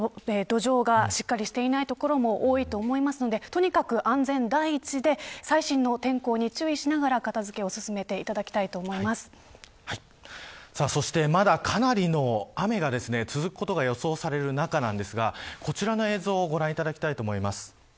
まだ土壌がしっかりしていない所も多いと思いますのでとにかく安全第一で最新の天候に注意しながら片付けを進めていただきたいまだ、かなりの雨が続くことが予想される中ですがこちらの映像をご覧いただきたいと思います。